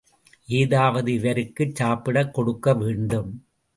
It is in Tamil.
ஏதாவது இவருக்குச் சாப்பிடக் கொடுக்க வேண்டும்.